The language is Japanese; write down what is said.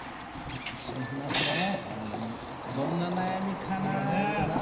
どんな悩みかな？